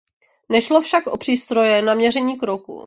Nešlo však o přístroje na měření kroků.